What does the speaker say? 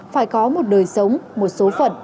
phải có một đời sống một số phận